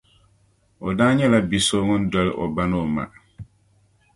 O daa nyɛla bia so ŋun doli o ba ni o ma